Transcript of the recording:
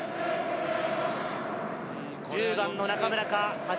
１０番の中村か橋本か。